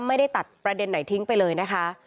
ไม่ได้ตัดประเด็นไหนทิ้งไปเลยนะคะ